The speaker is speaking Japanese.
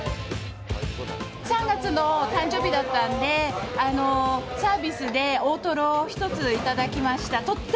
３月の誕生日だったんで、サービスで大トロを１つ頂きました。